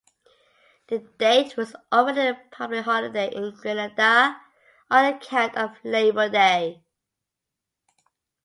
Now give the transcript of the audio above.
The date was already a public holiday in Grenada, on account of Labour Day.